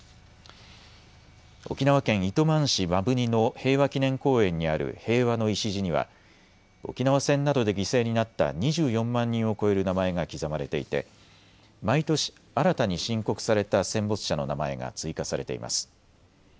沖縄県糸満市摩文仁の平和祈念公園にある平和の礎には沖縄戦などで犠牲になった２４万人を超える名前が刻まれていて毎年、新たに申告された戦没者の名前が追加されています。